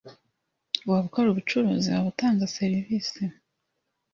waba ukora ubucuruzi, waba utanga serivisi